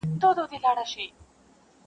• خلک د نړيوالو خبرونو په اړه بحث کوي,